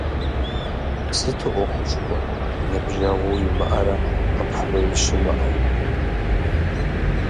Сыту ӏуэхушхуэ, ныбжьэгъуи уимыӀэрэ къыпхуеи щымыӀэу?